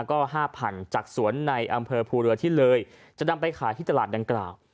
ก็๕๐๐๐จากสวนในอำเภอภูเรือที่เลยจะนำไปขายที่ตลาดดังกล่าว